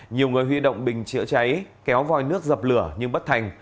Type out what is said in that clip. nhiều người huy động bình chữa cháy kéo vòi nước dập lửa nhưng bất thành